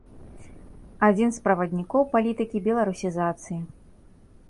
Адзін з праваднікоў палітыкі беларусізацыі.